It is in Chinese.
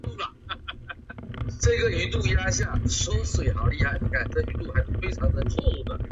已实施住居表示。